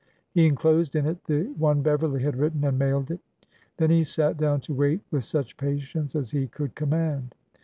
He inclosed in it the one Beverly had written, and mailed it. Then he sat down to wait with such patience as he could command.